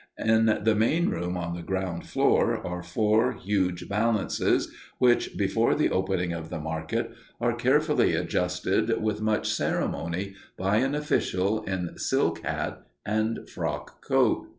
In the main room on the ground floor are four huge balances which, before the opening of the market, are carefully adjusted with much ceremony by an official in silk hat and frock coat.